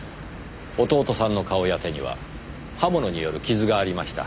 弟さんの顔や手には刃物による傷がありました。